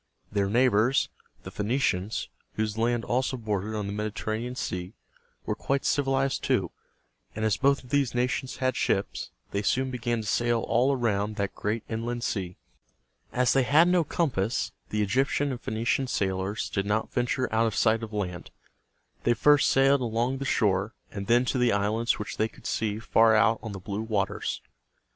Their neighbors, the Phoe ni´ cians, whose land also bordered on the Mediterranean Sea, were quite civilized too; and as both of these nations had ships, they soon began to sail all around that great inland sea. As they had no compass, the Egyptian and Phoenician sailors did not venture out of sight of land. They first sailed along the shore, and then to the islands which they could see far out on the blue waters.